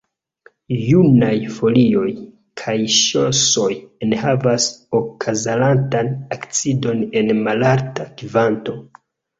Junaj folioj kaj ŝosoj enhavas okzalatan acidon en malalta kvanto.